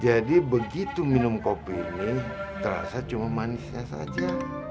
jadi begitu minum kopi ini terasa cuma manisnya saja